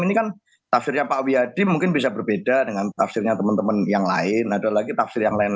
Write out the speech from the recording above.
ini kan tafsirnya pak wi hadi mungkin bisa berbeda dengan tafsirnya teman teman yang lain